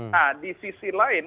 nah di sisi lain